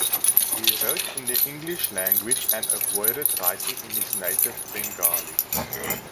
He wrote in the English language and avoided writing in his native Bengali.